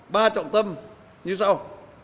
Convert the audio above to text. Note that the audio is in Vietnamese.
ba trọng tâm như sau